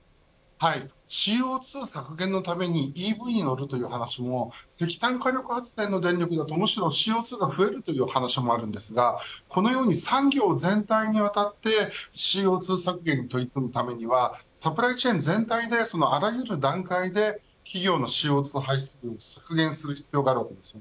ＣＯ２削減のためにＥＶに乗るという話も石炭火力発電の電力だとむしろしＣＯ２が増えるという話もあるんですがこのように、産業全体でＣＯ２削減に取り組むためにはサプライチェーン全体であらゆる段階で企業のＣＯ２排出量を削減する必要があるわけです。